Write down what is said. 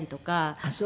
ああそう。